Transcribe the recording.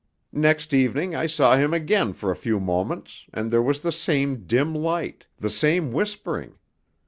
"Next evening I saw him again for a few moments, and there was the same dim light, the same whispering.